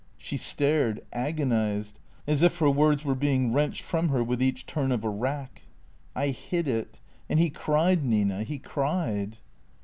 She stared, agonized, as if her words were being wrenched from her with each turn of a rack. " I hid it. And he cried, Nina, he cried."